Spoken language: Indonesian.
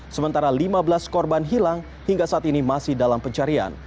sementara lima belas korban hilang hingga saat ini masih dalam pencarian